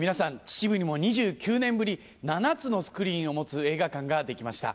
秩父にも２９年ぶり７つのスクリーンを持つ映画館が出来ました。